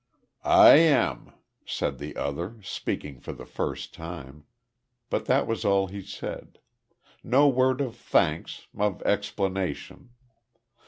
"I am," said the other, speaking for the first time. But that was all he said. No words of thanks, of explanation.